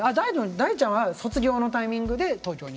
大ちゃんは卒業のタイミングで東京に。